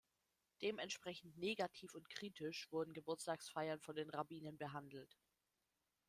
Dementsprechend negativ und kritisch wurden Geburtstagsfeiern von den Rabbinen behandelt.